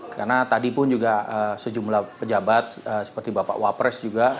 karena tadi pun juga sejumlah pejabat seperti bapak wapres juga